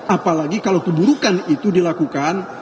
apalagi kalau keburukan itu dilakukan